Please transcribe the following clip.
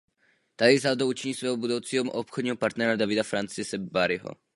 Tady vzal do učení svého budoucího obchodního partnera Davida Francise Barryho.